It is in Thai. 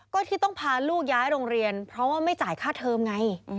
ก็ที่ต้องพาลูกย้ายโรงเรียนเพราะว่าไม่จ่ายค่าเทอมไง